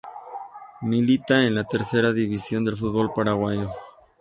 Milita en la Tercera División del fútbol paraguayo.